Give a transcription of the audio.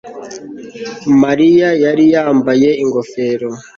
Mariya yari yambaye ingofero